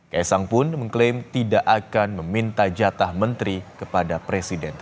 kaisang pun mengklaim tidak akan meminta jatah menteri kepada presiden